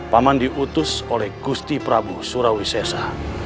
paman diutus oleh gusti prabu surawi sesa